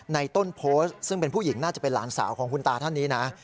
ต้นโพสต์ซึ่งเป็นผู้หญิงน่าจะเป็นหลานสาวของคุณตาท่านนี้นะ